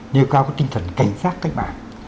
nêu cao cái tinh thần cảnh sát cách mạng